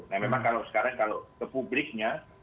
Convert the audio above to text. nah memang kalau sekarang kalau ke publiknya